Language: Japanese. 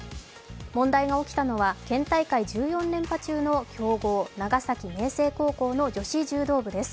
問題が起きたのは県大会１４連覇中の強豪・長崎明誠高校の女子柔道部です。